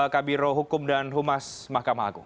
kabiro hukum dan humas mahkamah agung